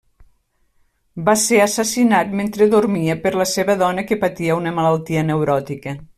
Va ser assassinat mentre dormia per la seva dona que patia una malaltia neuròtica.